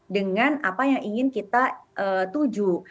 dengan apa yang ingin kita tuju